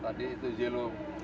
tadi itu jelubin